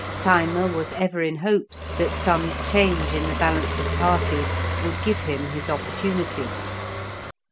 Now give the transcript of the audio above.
Thyma was ever in hopes that some change in the balance of parties would give him his opportunity.